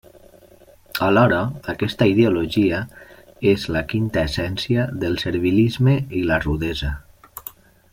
Alhora, aquesta ideologia és la quinta essència del servilisme i la rudesa.